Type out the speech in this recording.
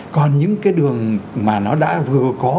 còn những cái đường mà nó đã vừa có